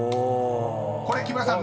これ木村さん